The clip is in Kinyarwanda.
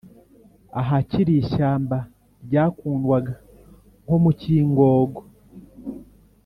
ahakiri ishyamba ryakundwaga nko mu cyingogo